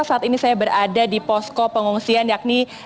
saat ini saya berada di posko pengungsian yakni